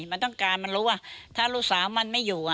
มันต้องการมันรู้ว่าถ้าลูกสาวมันไม่อยู่